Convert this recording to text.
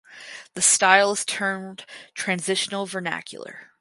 The style is termed "transitional vernacular".